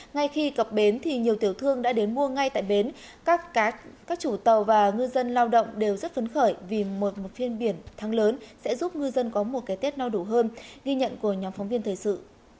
ngay khi cập bến thì nhiều tiểu thương đã đến mua ngay tại bến các chủ tàu và ngư dân lao động đều rất phấn khởi vì một phiên biển thắng lớn sẽ giúp ngư dân có một cái tết no đủ hơn ghi nhận của nhóm phóng viên thời sự